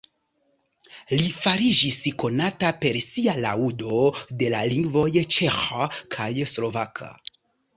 Li fariĝis konata per sia laŭdo de la lingvoj ĉeĥa kaj slovaka.